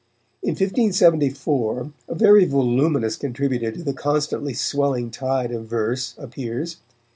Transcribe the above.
In 1574 a very voluminous contributor to the constantly swelling tide of verse appears.